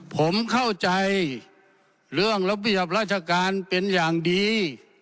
ผมเข้าใจเรื่องระเบียบราชการเป็นอย่างดี